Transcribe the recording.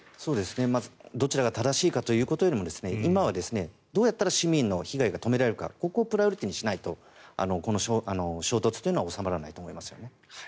まず、どちらが正しいかということよりも今はどうやったら市民の被害が止められるかここをプライオリティーにしないとこの衝突というのは収まらないと思いますよね。